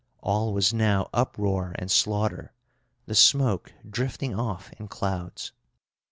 All was now uproar and slaughter, the smoke drifting off in clouds.